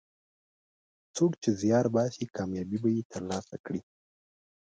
څوک چې زیار باسي، کامیابي به یې ترلاسه کړي.